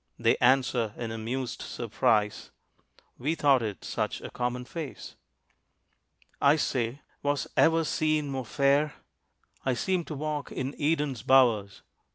They answer in amused surprise: "We thought it such a common face." I say, "Was ever scene more fair? I seem to walk in Eden's bowers."